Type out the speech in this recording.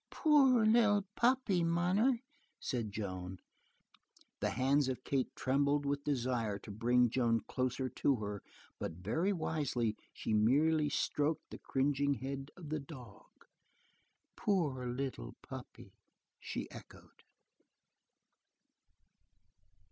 "Poor little puppy, munner," said Joan. The hands of Kate trembled with desire to bring Joan closer to her, but very wisely she merely stroked the cringing head of the dog. "Poor little puppy," she echoed.